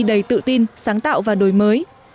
đầy tự tin sáng tạo và đổi mới